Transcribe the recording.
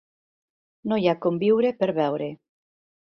No hi ha com viure per veure.